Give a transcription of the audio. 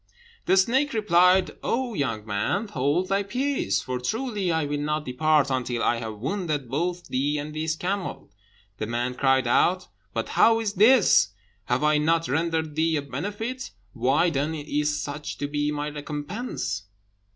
The snake replied, "O young man, hold thy peace, for truly I will not depart until I have wounded both thee and this camel." The man cried out, "But how is this? Have I not rendered thee a benefit? Why, then, is such to be my recompense?